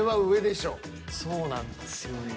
そうなんですよね。